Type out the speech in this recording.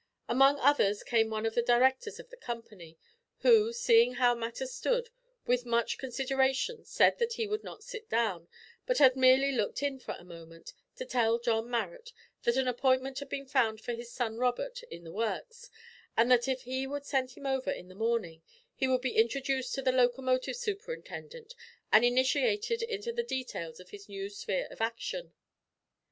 Among others came one of the directors of the company, who, seeing how matters stood, with much consideration said that he would not sit down, but had merely looked in for a moment, to tell John Marrot that an appointment had been found for his son Robert in the "Works," and that if he would send him over in the morning he would be introduced to the locomotive superintendent and initiated into the details of his new sphere of action.